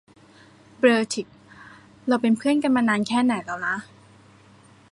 เบอร์ทิ เราเป็นเพือนกันมานานแค่ไหนแล้วนะ ?